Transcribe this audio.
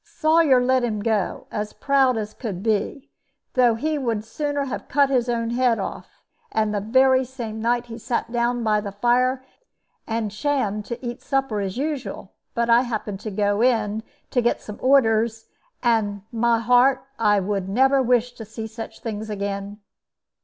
"Sawyer let him go, as proud as could be, though he would sooner have cut his own head off; and the very same night he sat down by his fire and shammed to eat supper as usual. But I happened to go in to get some orders, and, my heart, I would never wish to see such things again!